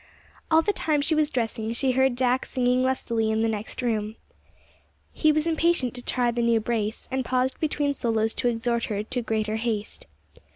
All the time she was dressing she heard Jack singing lustily in the next room. He was impatient to try the new brace, and paused between solos to exhort her to greater haste.